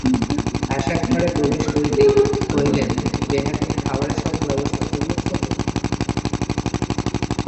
আশা ঘরে প্রবেশ করিতেই কহিলেন, বেহারির খাবারের সব ব্যবস্থা করিয়াছ তো?